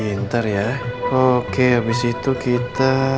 mentega telur disini juga ya